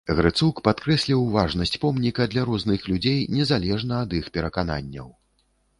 Грыцук падкрэсліў важнасць помніка для розных людзей незалежна ад іх перакананняў.